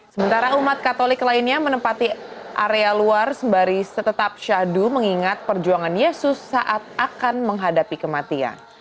sementara umat katolik lainnya menempati area luar sembari setetap syadu mengingat perjuangan yesus saat akan menghadapi kematian